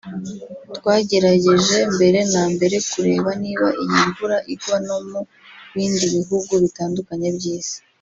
twagerageje mbere na mbere kureba niba iyi mvura igwa no mu bindi bihugu bitandukanye by’isi